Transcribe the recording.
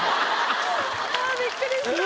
あびっくりした。